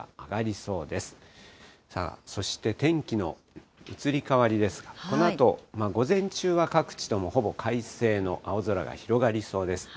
そして天気の移り変わりですが、このあと午前中は、各地ともほぼ快晴の青空が広がりそうです。